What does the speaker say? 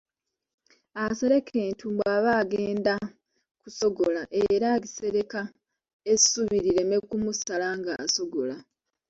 Asereka entumbwe aba agenda aba agenda kusogola era agisereka essubi lireme kumusala nga asogola.